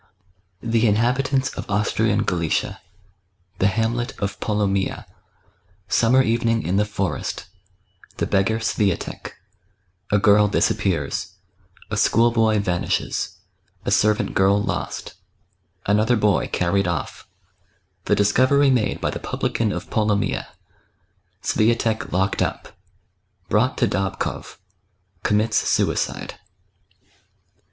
The Inhabitants of Aastrian Galicia — The Hamlet of Polomjj Sommer Evening in the Forest — The Beggar Swiatek — ^A Girl disappears — A School boy vanishes — A Servant girl lost — Another Boy carried off — The Discovery made by the Pnblican of Polomyja — Swiatek locked up — ^Brought to Dabkow — Commits Suicide.